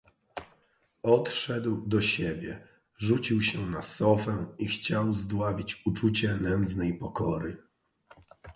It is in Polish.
"Odszedł do siebie, rzucił się na sofę i chciał zdławić uczucie nędznej pokory."